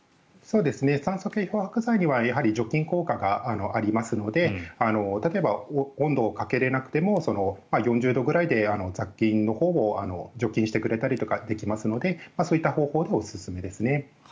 酸素系漂白剤には除菌効果がありますので例えば、温度をかけれなくても４０度くらいで雑菌のほうも除菌してくれたりとかできますのでそういった方法でおすすめですね。